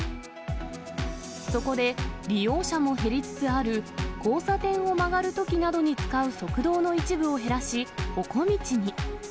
そこで利用者の減りつつある、交差点を曲がるときなどに使う側道の一部を減らし、ほこみちに。